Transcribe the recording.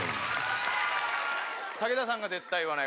「武田さんが絶対言わないこと」